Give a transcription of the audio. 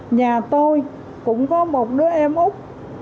nhà tôi cũng có một đứa em úc